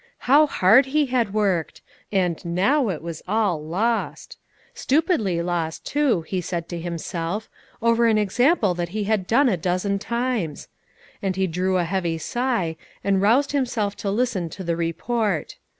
How hard he had worked; and now it was all lost! Stupidly lost, too, he said to himself, over an example that he had done a dozen times; and he drew a heavy sigh, and roused himself to listen to the report.